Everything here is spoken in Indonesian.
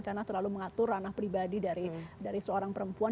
karena terlalu mengatur ranah pribadi dari seorang perempuan